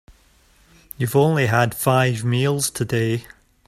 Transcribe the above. You've only had five meals today.